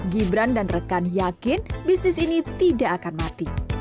gibran dan rekan yakin bisnis ini tidak akan mati